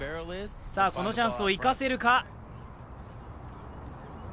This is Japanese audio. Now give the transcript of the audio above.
さあ、このチャンスを生かせるか。